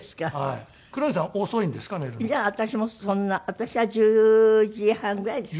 私は１０時半ぐらいですかね。